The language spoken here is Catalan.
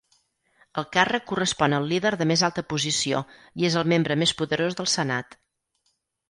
El càrrec correspon al líder de més alta posició i és el membre més poderós del Senat.